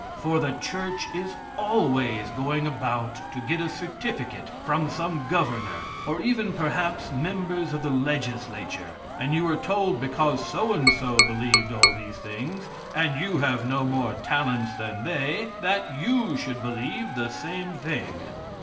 For the church is always going about to get a certificate from some governor, or even perhaps members of the Legislature, and you are told, because so and so believed all these things, and you have no more talents than they, that you should believe the same thing.